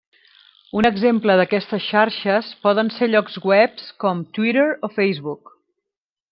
Un exemple d'aquestes xarxes poden ser llocs web com Twitter o Facebook.